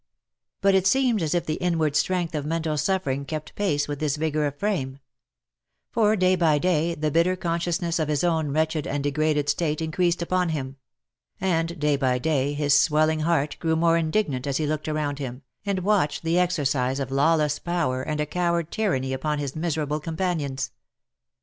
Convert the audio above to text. But it seemed as if the inward strength of mental suffering kept pace with this vigour of frame ; for day by day the bitter conscious ness of his own wretched and degraded state increased upon him — and day by day his swelling heart grew more indignant as he looked around him, and watched the exercise of lawless power and coward tyranny upon his miserable companions.